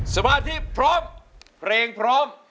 สมาธิพร้อมเพลงพร้อม